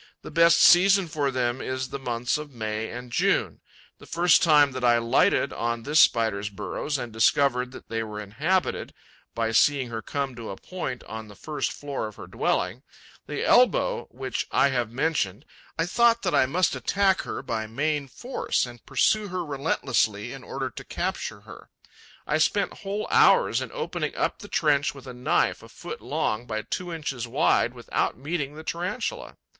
The best season for them is the months of May and June. The first time that I lighted on this Spider's burrows and discovered that they were inhabited by seeing her come to a point on the first floor of her dwelling the elbow which I have mentioned I thought that I must attack her by main force and pursue her relentlessly in order to capture her; I spent whole hours in opening up the trench with a knife a foot long by two inches wide, without meeting the Tarantula.